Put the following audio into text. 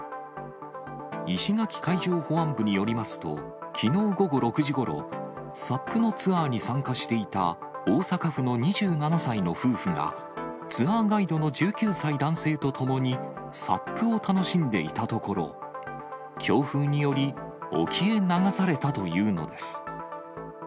石垣海上保安部によりますと、きのう午後６時ごろ、サップのツアーに参加していた大阪府の２７歳の夫婦が、ツアーガイドの１９歳男性と共に、サップを楽しんでいたところ、強風により、沖へ流されたというのです。